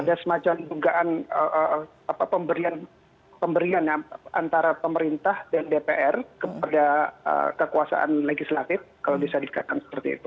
ada semacam dugaan pemberian antara pemerintah dan dpr kepada kekuasaan legislatif kalau bisa dikatakan seperti itu